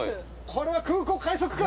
これは空港快速か？